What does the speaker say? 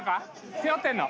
背負ってんの？